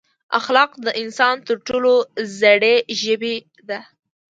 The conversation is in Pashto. اخلاق د انسان تر ټولو زړې ژبې ده.